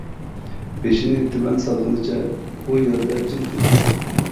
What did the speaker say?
بېشىنى تۆۋەن سالغىنىچە ئۇ يەردە جىم تۇردى.